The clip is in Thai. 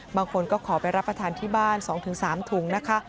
บางคนก็ขอไปรับประทานที่บ้าน๒๓ถุงนะคะ